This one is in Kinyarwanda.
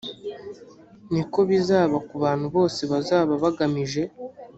ni ko bizaba ku bantu bose bazaba bagamije